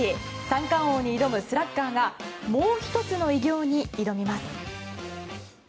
三冠王に挑むスラッガーがもう１つの偉業に挑みます。